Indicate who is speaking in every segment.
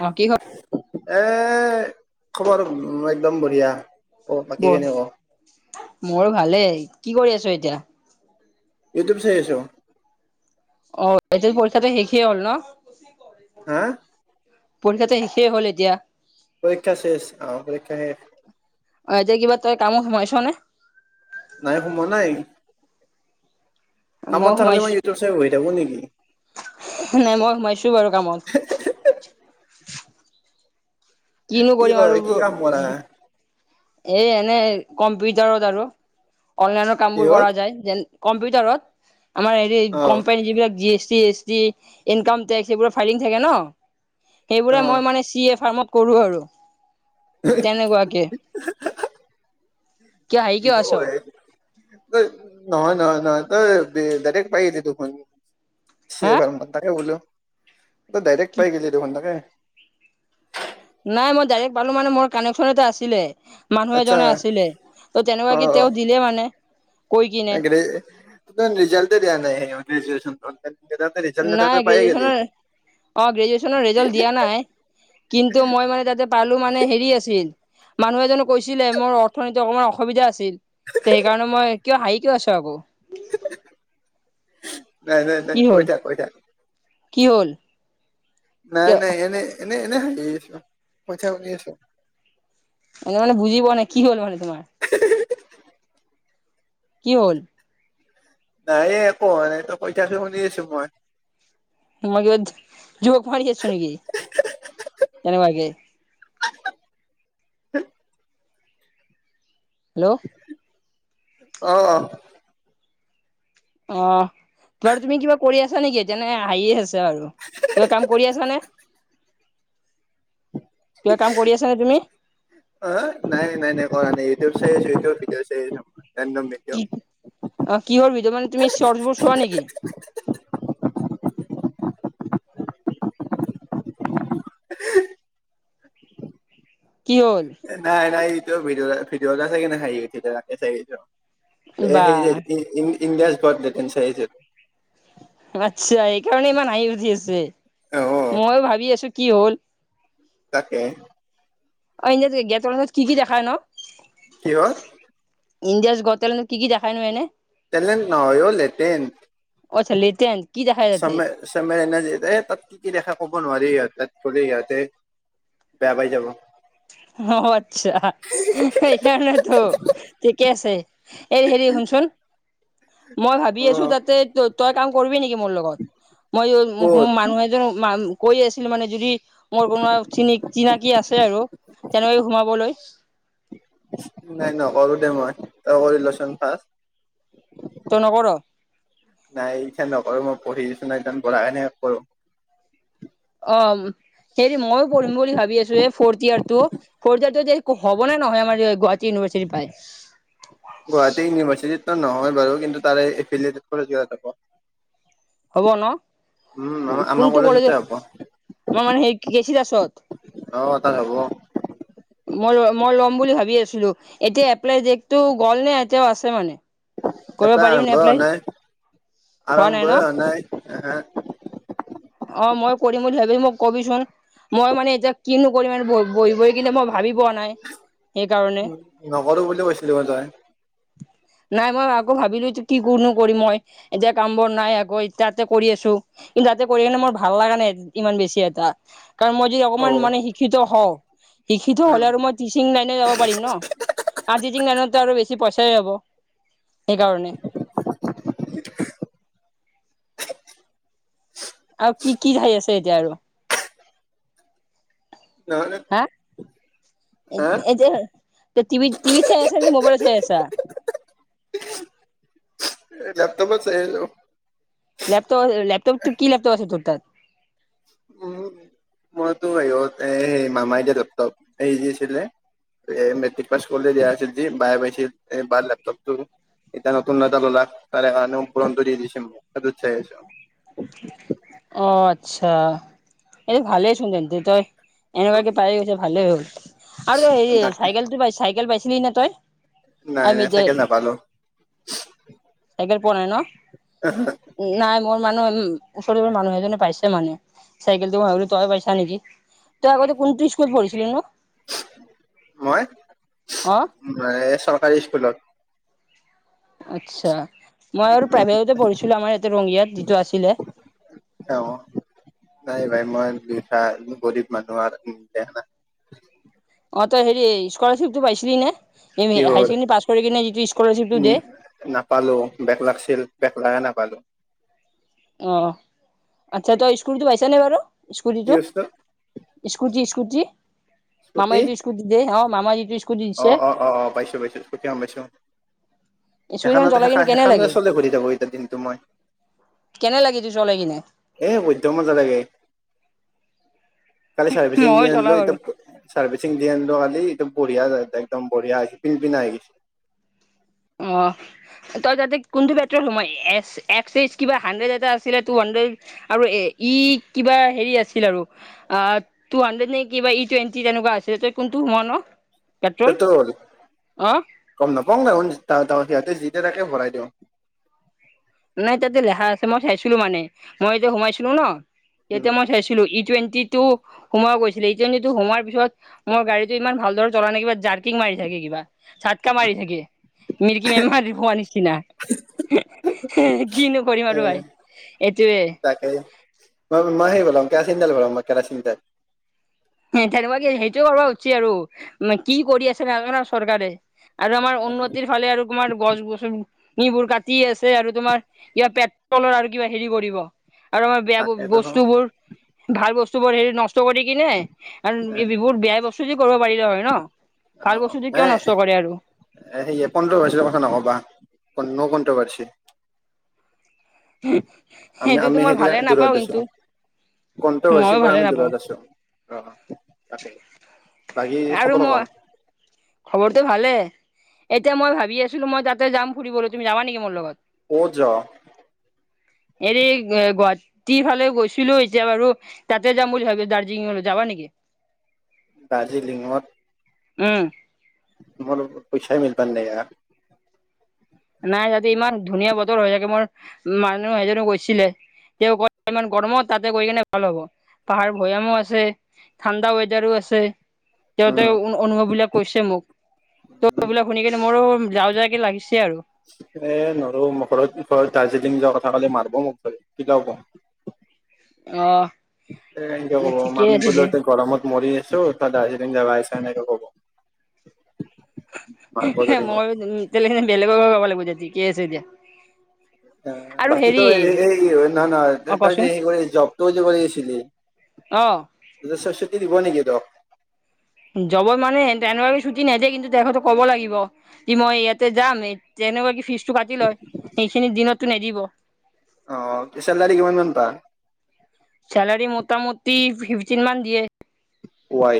Speaker 1: অ কি খ
Speaker 2: এ খবৰ একদম বঢ়িয়া অ বাকী
Speaker 1: গ
Speaker 2: কেনেক
Speaker 1: মোৰ ভালেই কি কৰি আছো এতিয়া
Speaker 2: ইউটিউব চাই আছো
Speaker 1: অ এতি পৰীক্ষাটো শেষেই হ'ল ন
Speaker 2: হা
Speaker 1: পৰীক্ষাটো শেষেই হ'ল এতিয়া
Speaker 2: পৰীক্ষা শেষ অ পৰীক্ষা শেষ
Speaker 1: অ ', এতিয়া কিবা তই কামো সোমাইছ নে
Speaker 2: নাই সোমোৱা নাই কামত থাকা হলে মই ইউটিউব চাই বহি থাকোঁ নেকি?
Speaker 1: নাই মই সোমাইছো বাৰু কামত কিনো
Speaker 2: কি ক
Speaker 1: কৰিম
Speaker 2: কি
Speaker 1: আৰু
Speaker 2: কাম কৰা
Speaker 1: এই এনে কম্পিউটাৰত আৰু অনলাইনৰ কাম বোৰ
Speaker 2: কিহত
Speaker 1: কৰা যায় যেন কম্পিউটাৰত আমাৰ হেৰি
Speaker 2: অ
Speaker 1: কোম্পানী যিবিলাক জি এছ টি এ ন টেক্স [unintelligible] থাকে ন
Speaker 2: অ
Speaker 1: সেইবোৰে মই মানে চি এ ফ কৰো আৰু তেনেকুৱাকে কিয় হাঁহি
Speaker 2: কি
Speaker 1: কিয় আছ
Speaker 2: নহ নহ নহ ত ডাইৰেক্ট পাই দি ত চ
Speaker 1: হা
Speaker 2: ভাৰ্ম তাকে বলো ত
Speaker 1: কি
Speaker 2: ডাইৰেক্ট [unintelligible]
Speaker 1: নাই মই ডাইৰেক্ট পালো মানে মোৰ কানেকশ্যন এটা আছিলে মানুহ
Speaker 2: আচ্ছা
Speaker 1: এজনে আছিলে ত' তেনেকুৱা কি তেওঁ দিলে মানে। কৈ কিনে
Speaker 2: একেটে ৰিজালটেই দিয়া নাই। হেয়া গ্ৰেজচন।
Speaker 1: নাই গ্ৰেজুৱেচনৰ অ' গ্ৰেজুৱেচনৰ ৰেজাল্ট দিয়া নাই। কিন্তু মই মানে তাতে পালোঁ, মানে হেৰি আছিল মানুহ এজননে কৈছিলে মোৰ অৰ্থনীতি অকণমান অসুবিধা আছিল ত' সেইকাৰণে মই কিয় হাঁহি কিয় আছ আকৌ?
Speaker 2: নাই নাই নাই,
Speaker 1: কি
Speaker 2: কৈ
Speaker 1: হ'ল
Speaker 2: থাক কৈ থাক।
Speaker 1: কি হ'ল?
Speaker 2: নাই
Speaker 1: কিয়
Speaker 2: নাই এনে এনে এনে হাঁহি আছোঁ। পচাছো
Speaker 1: মই মানে বুজি পোৱা নাই, কি হ'ল মানে তোমাৰ। কি হল?
Speaker 2: নাই এ, একো হোৱা নাই। তই কৈ থাকচোন, শুনি আছোঁ মই।
Speaker 1: মাজত য'ক মাৰি আছোঁ নেকি? কেনেকুৱাগে হেল্ল'।
Speaker 2: অ', অ'।
Speaker 1: অ'। তাৰ তুমি কিবা কৰি আছা নেকি, নে হাঁহিয়ে আছা আৰু কিবা কাম কৰি আছা নে? [inaudible] কাম কৰি আছা নে তুমি?
Speaker 2: অ' নাই নাই নাই, নাই কৰা নাই ইটো ছেছে [unintelligible]
Speaker 1: ই অ' কি হ'ল বিতুমণ মানে তুমি চচবোৰ চোৱা নেকি?
Speaker 2: [inaudible]
Speaker 1: কি হ'ল?
Speaker 2: নাই নাই এইটো ভিডিঅ, ভিডিঅ এটা চাই হাঁহি উঠিছে [unintelligible] এ,
Speaker 1: বা
Speaker 2: হেইজে ইন, ইণ্ডিয়া [unintelligible]
Speaker 1: অ' আচ্ছা, এইকাৰণে ইমান হাঁহি উঠি আছে।
Speaker 2: অ
Speaker 1: মই ভাবি আছোঁ কি হ'ল।
Speaker 2: তাকেই।
Speaker 1: অ' এনে গেটৰ ত' কি কি দেখা নো?
Speaker 2: কিহত?
Speaker 1: ইণ্ডিয়াজ গতেলত কি কি দেখাই নো এনে?
Speaker 2: তেলেন নহয় অ' লেতেন।
Speaker 1: অ' আচ্ছা লেতেন।
Speaker 2: চমে, চমে এনেজিত এ, তাত কি কি দেখা ক'ব নোৱাৰি ইয়াত। থলে য়াতে, বেয়া পাই যাব।
Speaker 1: অ, আচ্ছা। এইকাৰনেতো, ঠিকে আছে। এই হেৰি শুনচোন, মই
Speaker 2: অ
Speaker 1: ভাবি আছোঁ তাতে ত-তই কাম কৰিবি নেকি মোৰ লগত? মই
Speaker 2: ক'ত
Speaker 1: মানুহ এজন মাম কৈ আছিলোঁ মানে, যদি মোৰ কোনোবা চিনি চিনাকি আছে আৰু। তেনেকৈ সোমাবলৈ
Speaker 2: নাই নকৰোঁ দে মই। তই কৰিলচোন ফাষ্ট।
Speaker 1: তই নকৰ
Speaker 2: নাই, এতিয়া নকৰোঁ, মই পঢ়ি [unintelligible] কৰাই নাই আকৌ।
Speaker 1: অ' হেৰি, ময়ো পঢ়িম বুলি ভাবি আছোঁ। এ ফৰ্থ ইয়াৰটো, ফৰ্থ ইয়াৰ যে হব নে নহয়, আমাৰ গুৱাহাটী ইউনিভাৰ্চিটি পায়?
Speaker 2: গুৱাহাটী ইউনিভাৰ্চিটিটো নহয় বাৰু, কিন্তু তাৰে এফিলিয়টড কলেজ যাব।
Speaker 1: হ'ব ন?
Speaker 2: আমাৰ
Speaker 1: কোনটো
Speaker 2: কলেজতে
Speaker 1: কলেজত,
Speaker 2: হ'ব
Speaker 1: আমাৰ মানে হেৰি গেছি ক্লাছত
Speaker 2: অ' তাত হ'ব।
Speaker 1: মই ল, মই ল'ম বুলি ভাবি আছিলোঁ। এতিয়া এপ্লাই দেটটো গ'ল নে এতিয়াও আছে মানে?
Speaker 2: এটা
Speaker 1: কৰিব পাৰিম নে এপ্লাই
Speaker 2: আৰম্ভই হোৱা নাই,
Speaker 1: হোৱা নাই ন
Speaker 2: আৰম্ভই হয় নাই।
Speaker 1: অ' মই কৰিম বুলি ভাবিছোঁ, মোক কবিচোন। মই মানে এতিয়া কিনো কৰিম আৰু, বহি-বহি কিনে মই ভাবি পোৱা নাই, সেইকাৰণে।
Speaker 2: নকৰো বুলি কৈছিলি মই তই
Speaker 1: নাই মই আকৌ ভাবিলো কিনো কৰিম মই, এতিয়া কাম বন নাই আকৌ, তাতে কৰি আছো। কিন্তু তাতে কৰি কেনে মই ভাল লগা নাই, ইমান বেছি এটা। কাৰণ মই যদি
Speaker 2: অ
Speaker 1: অকমান মানে শিক্ষিত হওঁ শিক্ষিত হ'লে
Speaker 2: উম
Speaker 1: আৰু মই টিচিং লাইনত যাব পাৰি ন। আৰু টিচিং লাইনটো আৰু বে বেছি পইচাই হ'ব, সেইকাৰণে। আৰু কি কি ঠাই আছে এতিয়া আৰু?
Speaker 2: নহ'লে। হা
Speaker 1: এ যে টিভিত টিভিত চাই আছে নে, মবাইলত চাই আছা?
Speaker 2: এই লেপটপত চাই [unintelligible]
Speaker 1: লেপটপ লেপটপ কি লেপটপ আছে তোৰ তাত
Speaker 2: উম, মইতো হেৰীয়ত, এ মামাই দিয়া লেপটপ এই দিছিলে। মেট্ৰিক পাছ কৰিলে দিয়া আছিল যি, বাই পাইছিল এই বাৰ লেপটপটো এতিয়া নতুন এটা ল'লে। তাৰকানিউ পুৰণা টো দি দিছে মোক, হেইটোত চাই আছোঁ।
Speaker 1: অ' আচ্ছা। এইটো ভালে চুন তেন্ত তই, এনেকুৱাকে পাই গৈছ ভালে হৈ গ'ল। আৰু তই হেৰি, চাইকেলটো পাই, চাইকেল পাইছিলি নে তই?
Speaker 2: নাই,
Speaker 1: আমি
Speaker 2: নাই
Speaker 1: যে
Speaker 2: চাইকেল নাপালো।
Speaker 1: চাইকেল পোৱা নাই ন? নাই মোৰ মানুহ ওচৰে মানুহ এজনে পাইছে মানে। চাইকেলটো মই ভাবিলোঁ তই পাইছা নেকি। তই আগতে কোনটো স্কুল পঢ়িছিলি নো?
Speaker 2: মই,
Speaker 1: অ
Speaker 2: মই চৰকাৰী স্কুলত।
Speaker 1: আচ্ছা, মই আৰু প্ৰাইভেটতে পঢ়িছিলো। আমাৰ ইয়াতে ৰঙিয়াত যিটো আছিলে।
Speaker 2: অ' নাই ভাই। [unintelligible] গৰিব মানুহৰ উ দে নাই
Speaker 1: অ' তই হেৰি স্কলাৰশ্বিপ টো পাইছিলি নে। এই
Speaker 2: কি
Speaker 1: হাই
Speaker 2: হ'ল
Speaker 1: চেকেণ্ডেৰী পাছ কৰি কিনে যিটো স্কলাৰশিপটো
Speaker 2: উম
Speaker 1: দে।
Speaker 2: নাপালো বেগ লাগছিল বেগ লাগে নাপালো।
Speaker 1: অ' আচ্ছা তই স্কুলতো পাইছা নে বাৰু।
Speaker 2: কি
Speaker 1: স্কুটিটো
Speaker 2: বস্তু
Speaker 1: স্কুটি স্কুটি মামায়ে যে স্কুটি দে অ'। মামা যিটো স্কুটি দিছে
Speaker 2: অ' অ' অ' অ' পাইছো পাইছো সেইটো গ'ম পাইছো। সেখান
Speaker 1: স্কুটিখন চলাই কিনে কেনে
Speaker 2: সেখান
Speaker 1: লাগে
Speaker 2: চলে ঘূৰি থাকো এতিয়া দিনটো মই।
Speaker 1: [unintelligible] চলে কিনে
Speaker 2: এ বধ্য মজা লাগে। কালি চাৰৰ্ভিচং
Speaker 1: মই
Speaker 2: ডি
Speaker 1: চলাও
Speaker 2: আনিলো
Speaker 1: বাৰু
Speaker 2: ইতা চাৰভিচং ডি আল কালি বঢ়িয়া যায় দে একদম বঢ়িয়া হৈছে পিনপিনা হৈ গৈছে।
Speaker 1: অ' তই তাতে কোনটো পেট্ৰল সোমালি অকশ এই কিবা হানড্ৰেড এটা আছিলে আৰু ই কিবা হেৰি আছিল আৰু টু হান্দেত নে কিবা ই টুয়েনটি তেনেকুৱা আছিল তই কোনটো সোমোৱা ন। পেট্ৰল
Speaker 2: পেটৰোল
Speaker 1: অ
Speaker 2: গ'ম নাপাওঁ। গোম নাপাওঁ তাহতে সিহঁতে যি দিয়ে তাকে ভৰাই দিওঁ।
Speaker 1: নাই তাতে লেখা আছে, মই চাইছিলো মানে মই এতিয়া সোমাইছিলো ন
Speaker 2: উম
Speaker 1: তেতিয়া মই চাইছিলো। টুৱেন্টি শুমাব গৈছিলে, ই টুৱেন্টি সোমোৱাৰ পিছত মোৰ গাড়টো ইমান ভালদৰে চলা নাই কিবা জাৰকিং মাৰকিং মৰি থাকে কিবা জাটকা মাৰি থাকে মিৰিকি বেমাৰ হোৱাৰ নিচিনা। কিনো কৰিম
Speaker 2: এ
Speaker 1: আৰু ভাই এইটোৱে।
Speaker 2: তাকে মই মই সেই ভৰাম কেৰাচিন তেল ভৰাও মই কেৰাচিন তেল।
Speaker 1: তেনেকুৱা কি সেইটো কৰিব খুজিছে আৰু কি কৰি আছে নাজানো আৰু চৰকাৰে। আৰু আমাৰ উন্নতিৰ ফালে আৰু তোমাৰ গছ গছন নীবোৰ কাটি আছে আৰু তোমাৰ কিবা পেট্ৰলৰ আৰু কিবা হেৰি কৰিব। আৰু আমাৰ বেয়া
Speaker 2: তাকেতো
Speaker 1: বস্তুবোৰ ভাল বস্তুবোৰ হেৰি নষ্ট কৰি কিনে আৰু এইবোৰ বেয়া বস্তু কৰিব পাৰিলে হয় ন
Speaker 2: অ
Speaker 1: ভাল বস্তুটো কিয় নষ্ট কৰে আৰু
Speaker 2: এ সেই কণ্ট্ৰবাৰ্চী কথা নকবা ন কণ্ট্ৰবাৰ্চী। আমি
Speaker 1: সেইটোতো
Speaker 2: আমি
Speaker 1: মই
Speaker 2: সেইগিলা
Speaker 1: ভালে
Speaker 2: দূৰ
Speaker 1: নাপাওঁ কিন্তু
Speaker 2: [unintelligible]
Speaker 1: মইও
Speaker 2: কণ্টভাৰ্চিৰ পৰা
Speaker 1: ভালে
Speaker 2: আমি
Speaker 1: নাপাওঁ
Speaker 2: দূৰত আছো অ', তাকেই। বাকী
Speaker 1: আৰু
Speaker 2: খবৰ
Speaker 1: মই
Speaker 2: কওঁ।
Speaker 1: খবৰটো ভালে এতিয়া মই ভাবি আছিলো মই তাতে যাম ফুৰিবলৈ তুমি যাবা নেকি মোৰ লগত।
Speaker 2: কোত য
Speaker 1: [inaudible] হেৰি গুৱাহাটীৰ ফালে গৈছিলো এতিয়া বাৰু তাতে যাম বুলি ভাবিছোঁ দাৰ্জিলিঙলৈ যাবা নেকি? [inaudible]
Speaker 2: দাৰ্জিলিংত।
Speaker 1: উম।
Speaker 2: পইচা মিলবা নাই হা।
Speaker 1: নাই তাতে ইমান ধুনীয়া বতৰ হৈ থাকে মোৰ মানুহ এইজনে কৈছিলে। তেওঁ ক ইমান গৰমত তাতে গৈ কিনে ভাল হ'ব পাহাৰ ভৈয়ামো আছে। ঠাণ্ডা ৱেডাৰও আছে।
Speaker 2: উম
Speaker 1: তেওঁহতে অনুভৱ বিলাক কৈছে মোক এইবিলাক শুনি কেনে মোৰো যাওঁ যাওকে লাগিছে আৰু।
Speaker 2: এ নৰো মই ঘৰত ঘৰত দাৰ্জিলিং যোৱাৰ কথা কলে মাৰিব মোক ধৰি কিলাব।
Speaker 1: অ',।
Speaker 2: এনকে কব
Speaker 1: ঠিকে
Speaker 2: আমি
Speaker 1: আছে
Speaker 2: বোলো
Speaker 1: দিয়া
Speaker 2: এতে গৰমত মৰি আছো ত দাৰ্জিলিং যাবা আছ এনেকে ক'ব। মাৰিব ধৰি মোক
Speaker 1: মই বেলেগৰ কব লাগিব যা ঠিক আছে দিয়া। আৰু
Speaker 2: বাকী
Speaker 1: হেৰি
Speaker 2: এই নহয় নহয়
Speaker 1: অ
Speaker 2: তাৰ যে
Speaker 1: কচোন
Speaker 2: কৰে জবটো যে কৰি আছিলি
Speaker 1: অ',।
Speaker 2: চু চুটি দিব নেকি তোক?
Speaker 1: জৱৰ মানে তেনেকুৱা ছুটি নেদিয়ে কিন্তু তেখেতো ক'ব লাগিব কি মই ইয়াতে যাম তেনেকুৱা কি ফিজটো কাটি লয় সেইখিনি দিনতটো নিদিব।
Speaker 2: অ', চেলাৰী কিমানমানান পা
Speaker 1: চেলাৰী মোটামুটি ফিফটিন মান দিয়ে।
Speaker 2: ওআই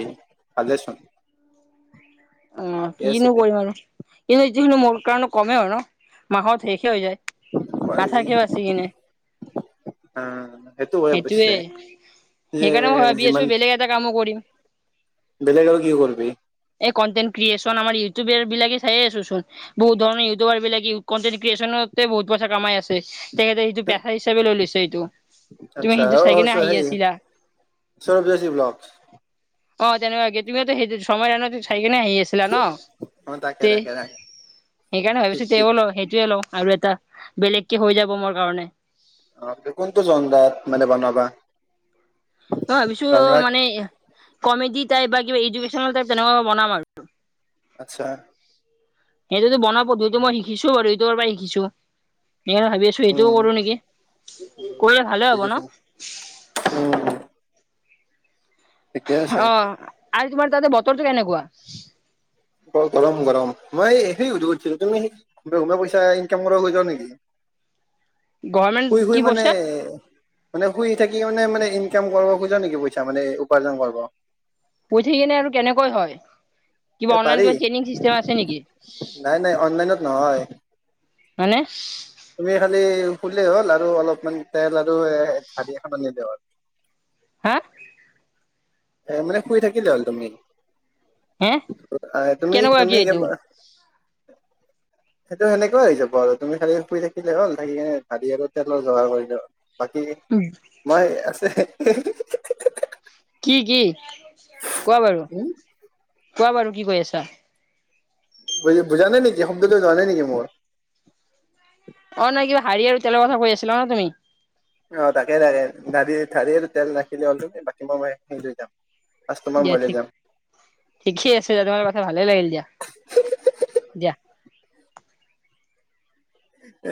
Speaker 2: ভালে চোন।
Speaker 1: অ', কিনো কৰিম আৰু কিন্তু ইটোখিনু মোৰ কাৰণে কমেই হয় ন মাহত শেষে হৈ যায়।
Speaker 2: ৱাই
Speaker 1: নাথাকে আছি কিনে
Speaker 2: অ', সেইটো হয় অৱশ্যে।
Speaker 1: সেইটোৱে
Speaker 2: যে
Speaker 1: সেইকাৰণে মই ভাবি
Speaker 2: যিমান
Speaker 1: আছোঁ বেলেগ এটা কামো কৰিম।
Speaker 2: বেলেগ আৰু কি কৰবি।
Speaker 1: এই কন্টেনক্ৰিয়েচন আমাৰ ইউটিউবৰ বিলাকে চাই আছে চোন বহুত ধৰন ইউটিউবাৰ বিলাকে কনটেট ক্ৰিয়েচনট তাতে বহত পইচা কামাই আছে। তেখেতে সেইটো পেচা হিচাপে লৈ লৈছ এইটো তুমি সেইটো চাইকেনি হাহি আছিলা।
Speaker 2: সৌৰৱজশী ব্লক
Speaker 1: অ', তেনেকুৱা গটুঙো সেই সময় চাই কিনে আহি আছিলা ন
Speaker 2: অ তাকে
Speaker 1: তে
Speaker 2: তাকে তাকে
Speaker 1: সেইকাৰণে
Speaker 2: ঠিক
Speaker 1: ভাবিছো তে
Speaker 2: ঠিক
Speaker 1: ল সেইটোয়ে লওঁ আৰু এটা বেলেগকে হৈ যাব মোৰ কাৰণে।
Speaker 2: [unintelligible] কোনটো [unintelligible] মানে বনাবা
Speaker 1: ত' ভাবিছো
Speaker 2: জনৰাত
Speaker 1: মানে কমেডি টাইপ বা কিবা এডুকেশ্যনল টাইপ তেনেকা বনাম আৰু
Speaker 2: আচ্ছা।
Speaker 1: সেইটোতো বনো পধুটো মই শিকিছো বাৰু ইউটোৰ পৰা শিকিছোঁ। স ভাবি আছো সেইটোও
Speaker 2: উম,
Speaker 1: কৰো নেকি কৰিলে ভালে
Speaker 2: ঠিক
Speaker 1: হ'ব ন।
Speaker 2: আছে [unintelligible] ঠিকে আছে
Speaker 1: অ, আৰু তোমাৰ তাতে বতৰটো কেনেকুৱা?
Speaker 2: অ, গৰম, গৰম মই সে, সুধিছিলো তুমি বহুমীয়া পইচা ইনকাম কৰা হৈ যোৱা নেকি?
Speaker 1: [inaudible] গভৰ্ণমেণ্ট
Speaker 2: শুই,
Speaker 1: কি
Speaker 2: শুই, মানে,
Speaker 1: পইচা
Speaker 2: মানে শুই থাকি মানে, মানে কাম কৰিব খোজা নেকি, পইচা মানে উপাৰ্জন কৰিব।
Speaker 1: পৈ, থ, কিনে আৰু কেনেকৈ হয়।
Speaker 2: এ
Speaker 1: কিবা
Speaker 2: পাৰি
Speaker 1: অনলাইন কিবা ট্ৰেইনিং চিষ্টেম আছে নেকি?
Speaker 2: নাই নাই অনলাইনত নহয়
Speaker 1: মানে
Speaker 2: তুমি খালি খুলেই হ'ল আৰু অলপমান তেল আৰু ঢাৰি এখননিলে হ'ল।
Speaker 1: হা
Speaker 2: এ, মানে শুই থাকিলে হ'ল তুমি।
Speaker 1: হে
Speaker 2: আহ, তুমি,
Speaker 1: কেনেকুৱা কি
Speaker 2: তুমি কে
Speaker 1: এইটো? [inaudible]
Speaker 2: সেইটো, সেনেকুৱা হৈ যাব আৰু তুমি খালি শুই থাকিলে হ'ল। থাকিনে ভালি আৰু তেলৰ জোগাৰ কৰিলোৱা। বাকী মই আছে।
Speaker 1: কি, কি কোৱা বাৰু,
Speaker 2: উম
Speaker 1: কোৱা বাৰু কি কৈ আছা?
Speaker 2: ব, বুজানে নেকি শব্দুল্ল জে নেকি মোৰ।
Speaker 1: অ, নহয় কিবা শাড়ী আৰু তেলৰ কথা কৈ আছিলা ন, তুমি।
Speaker 2: অ, তাকে, তাকে ধাৰি ধঢাৰি তেল নাখিলে হ'ল বাকী মই, মই স, লৈ যাম। কাষ্টমাৰ
Speaker 1: দিয়া ঠিক, ঠিকেই আছে দিয়া। তোমাৰ কথা ভালে লাগিল দিয়া। দিয়া।
Speaker 2: উ।